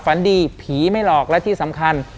ฝันดีผีไม่หลอกและที่สำคัญ